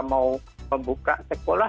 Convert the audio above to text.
mau membuka sekolah